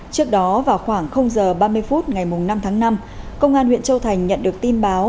trước đó vào khoảng h ba mươi phút ngày năm tháng năm công an huyện châu thành nhận được tin báo